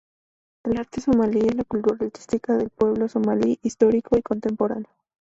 El arte somalí es la cultura artística del pueblo somalí, histórico y contemporáneo.